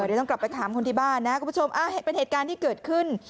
เดี๋ยวต้องกลับไปถามคนที่บ้านนะคุณผู้ชมเป็นเหตุการณ์ที่เกิดขึ้น